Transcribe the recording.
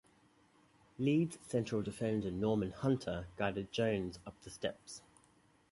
Leeds' central defender Norman Hunter guided Jones up the steps.